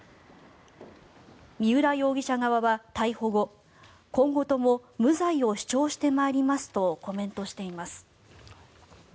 三浦容疑者側は逮捕後今後とも無罪を主張してまいりますとコメントしています。